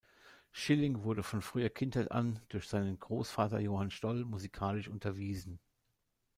Schilling wurde von früher Kindheit an durch seinen Großvater Johann Stoll musikalisch unterwiesen.